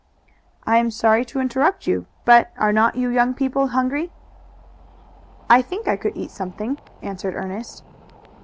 "I am sorry to interrupt you, but are not you young people hungry?" "I think I could eat something," answered Ernest.